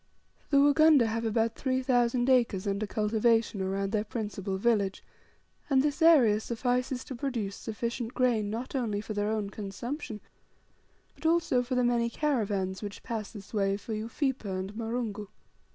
The Wagunda have about three thousand acres under cultivation around their principal village, and this area suffices to produce sufficient grain not only for their own consumption, but also for the many caravans which pass by this way for Ufipa and Marungu.